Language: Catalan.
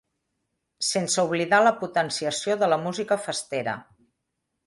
Sense oblidar la potenciació de la música festera.